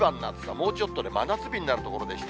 もうちょっとで真夏日になるところでした。